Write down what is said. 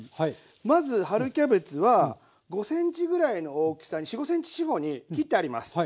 まず春キャベツは５ｃｍぐらいの大きさに４５ｃｍ四方に切ってあります。